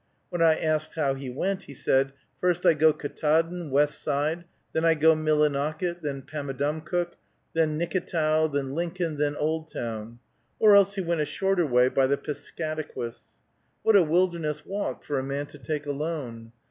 When I asked how he went, he said, "First I go Ktaadn, west side, then I go Millinocket, then Pamadumcook, then Nicketow, then Lincoln, then Oldtown," or else he went a shorter way by the Piscataquis. What a wilderness walk for a man to take alone!